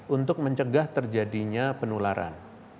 untuk menolak pertengahan